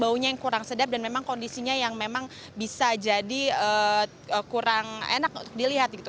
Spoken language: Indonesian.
baunya yang kurang sedap dan memang kondisinya yang memang bisa jadi kurang enak untuk dilihat gitu